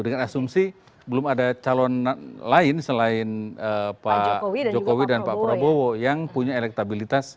dengan asumsi belum ada calon lain selain pak jokowi dan pak prabowo yang punya elektabilitas